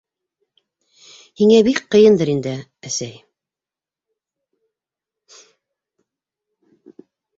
- Һиңә бик ҡыйындыр инде, әсәй...